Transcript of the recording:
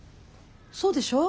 そうでしょう。